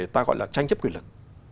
ta gọi là tranh chấp quyền lực